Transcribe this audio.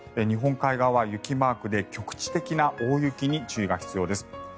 日本海側は雪マークで局地的な大雪に注意が必要です。